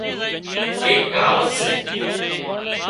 ايڪ ڪهاوت سي